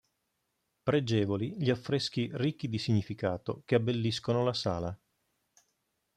Pregevoli gli affreschi ricchi di significato che abbelliscono la sala.